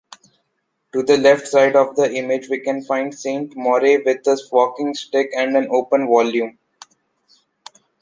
To the left side of the image we can find Saint Maure with a walking stick and an open volume.